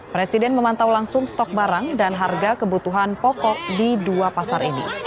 presiden memantau langsung stok barang dan harga kebutuhan pokok di dua pasar ini